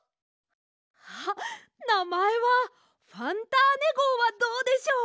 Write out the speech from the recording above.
あっなまえはファンターネごうはどうでしょう？